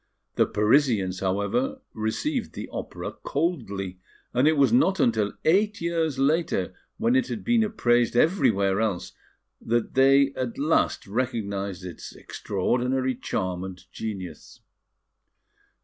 The Parisians, however, received the opera coldly; and it was not until eight years later, when it had been appraised everywhere else that they at last recognised its extraordinary charm and genius.